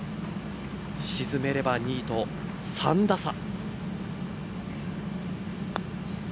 沈めれば２位と３打差。